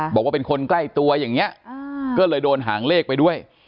บอกว่าเป็นคนใกล้ตัวอย่างนี้ก็เลยโดนหางเลขไปด้วย